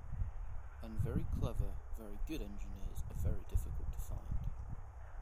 And very clever, very good engineers are very difficult to find.